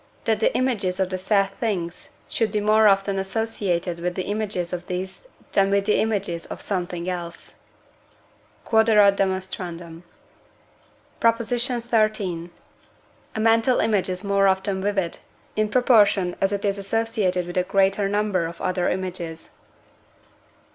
that the images of the said things should be more often associated with the images of these than with the images of something else. Q.E.D. PROP. XIII. A mental image is more often vivid, in proportion as it is associated with a greater number of other images.